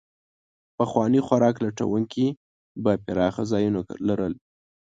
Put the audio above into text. پخواني خوراک لټونکي به پراخه ځایونه لرل.